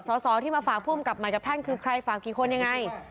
สอสอที่มาฝากผู้อำกับใหม่กับท่านคือใครฝากกี่คนยังไง